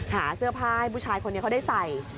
หาเสื้อผ้าให้ผู้ชายคนนี้เขาได้ใส่